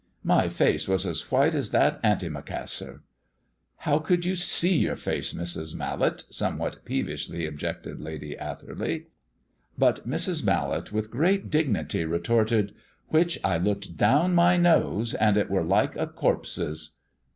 My face was as white as that antimacassar." "How could you see your face, Mrs. Mallet?" somewhat peevishly objected Lady Atherley. But Mrs. Mallet with great dignity retorted "Which I looked down my nose, and it were like a corpse's."